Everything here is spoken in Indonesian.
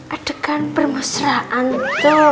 adegan permusraan tuh